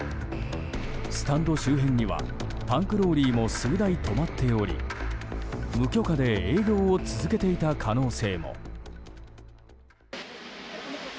スタンド周辺にはタンクローリーも数台止まっており無許可で営業を続けていた可能性も。